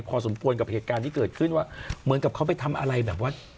พอสมควรกับเหตุการณ์ที่เกิดขึ้นว่าเหมือนกับเขาไปทำอะไรแบบว่า